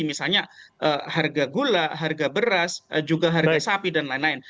misalnya harga gula harga beras juga harga sapi dan lain lain